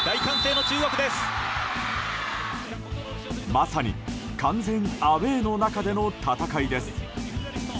まさに完全アウェーの中での戦いです。